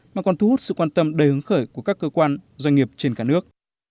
mà còn thu hút sự quan tâm đầy hứng khởi của các cơ quan doanh nghiệp trên cả nước